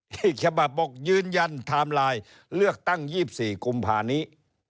อีกฉบับบอกยืนยันไทม์ไลน์เลือกตั้ง๒๔กุมภานี้